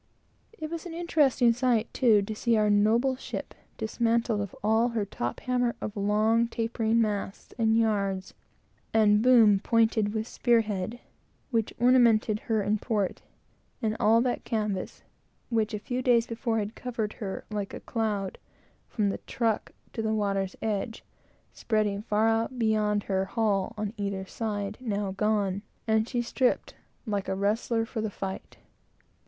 It was an interesting sight, too, to see our noble ship, dismantled of all her top hamper of long tapering masts and yards, and boom pointed with spear head, which ornamented her in port; and all that canvas, which a few days before had covered her like a cloud, from the truck to the water's edge, spreading far out beyond her hull on either side, now gone; and she, stripped, like a wrestler for the fight.